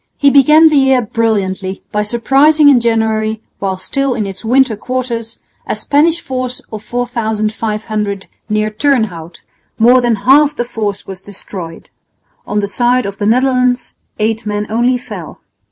He began the year brilliantly by surprising in January, while still in its winter quarters, a Spanish force of 4500 near Turnhout. More than half the force was destroyed. On the side of the Netherlands eight men only fell.